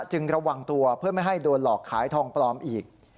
จึงระวังตัวเพื่อไม่ให้โดนหลอกขายทองปลอมอีก